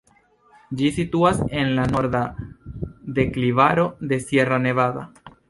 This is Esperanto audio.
Ĝi situas en la norda deklivaro de Sierra Nevada.